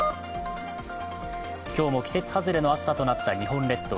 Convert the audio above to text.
今日も季節外れの暑さとなった日本列島。